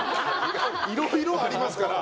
いろいろありますから。